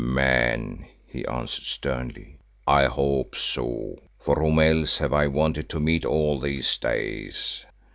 "Man," he answered sternly, "I hope so, for whom else have I wanted to meet all these days?"